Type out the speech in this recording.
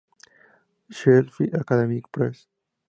Sheffield Academic Press.